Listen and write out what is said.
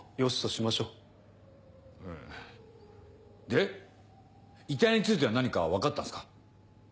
で遺体については何か分かったんすか？